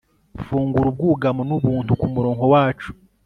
Fungura ubwugamo nubuntu kumurongo wacu